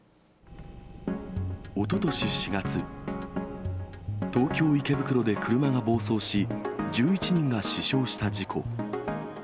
おととし４月、東京・池袋で車が暴走し、１１人が死傷した事故。